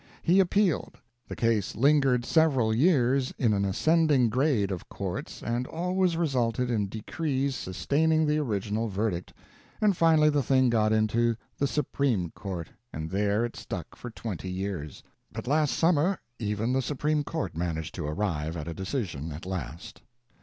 He appealed. The case lingered several years in an ascending grade of courts, and always resulted in decrees sustaining the original verdict; and finally the thing got into the supreme court, and there it stuck for twenty years. But last summer, even the supreme court managed to arrive at a decision at last.